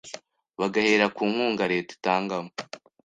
bagahera ku nkunga Leta itangamo